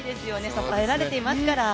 支えられていますから。